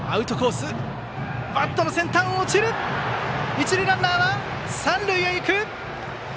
一塁ランナーは三塁へ行く。